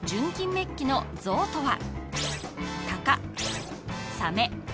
メッキの像とは？